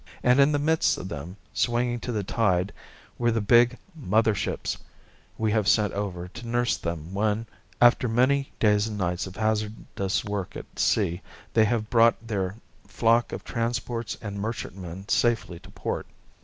And in the midst of them, swinging to the tide, were the big "mother ships" we have sent over to nurse them when, after many days and nights of hazardous work at sea, they have brought their flock of transports and merchantmen safely to port.